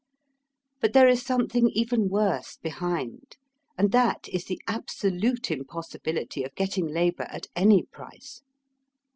But there is something even worse behind, and that is the absolute im possibility of getting labour at any price.